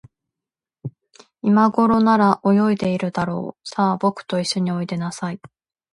いまごろなら、泳いでいるだろう。さあ、ぼくといっしょにおいでなさい。